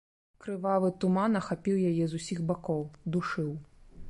Крывавы туман ахапіў яе з усіх бакоў, душыў.